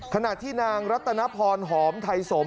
ขณะที่นางรัตนพรหอมไทยสม